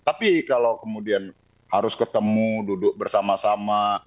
tapi kalau kemudian harus ketemu duduk bersama sama